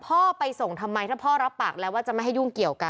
พ่อไปส่งทำไมถ้าพ่อรับปากแล้วว่าจะไม่ให้ยุ่งเกี่ยวกัน